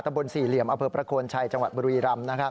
ธุรพาทบนสี่เหลี่ยมอเผิดประโคนชัยจังหวัดบุรีรัมน์